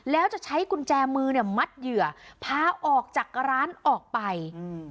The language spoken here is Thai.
แล้วจะใช้กุญแจมือเนี่ยมัดเหยื่อพาออกจากร้านออกไปอืม